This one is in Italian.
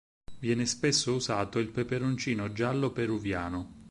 Viene spesso usato il peperoncino giallo peruviano.